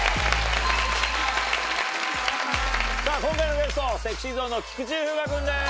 今回のゲストＳｅｘｙＺｏｎｅの菊池風磨君です！